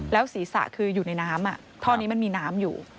ศีรษะคืออยู่ในน้ำท่อนี้มันมีน้ำอยู่